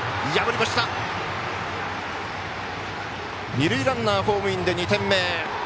二塁ランナーホームインで２点目。